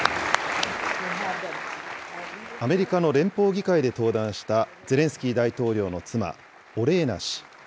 アメリカの連邦議会で登壇したゼレンスキー大統領の妻、オレーナ氏。